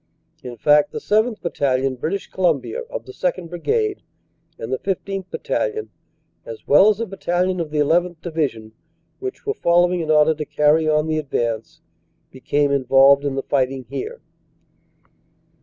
In fact, the 7th. Battalion, British Columbia, of the 2nd. Brigade, and the 15th. Battalion, as well as a battalion of the 1 1th. Divi sion, which were following in order to carry on the advance, became involved in the fighting here.